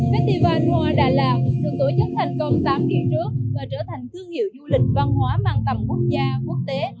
festival tour đà lạt được tổ chức thành công tám năm trước và trở thành thương hiệu du lịch văn hóa mang tầm quốc gia quốc tế